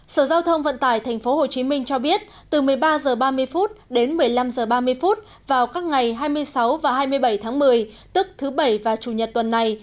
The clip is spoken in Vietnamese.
sở giao thông vận tải tp hcm cho biết từ một mươi ba h ba mươi đến một mươi năm h ba mươi vào các ngày hai mươi sáu và hai mươi bảy tháng một mươi tức thứ bảy và chủ nhật tuần này